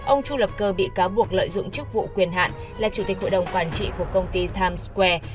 ông chu lập cơ bị cáo buộc lợi dụng chức vụ quyền hạn là chủ tịch hội đồng quản trị của công ty times square